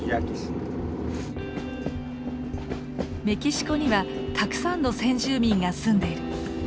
メキシコにはたくさんの先住民が住んでる。